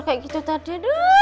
kayak gitu tadi